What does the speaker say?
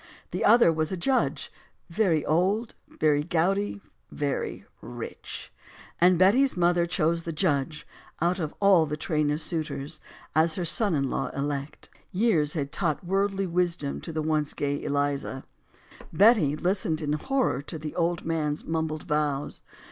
The other was a judge, very old, very gouty, very rich. And Betty's mother chose the judge, out of all the 6 STORIES OF THE SUPER WOMEN train of suitors, as her son in law elect. Years had taught worldly wisdom to the once gay Eliza. Betty listened in horror to the old man's mumbled vows.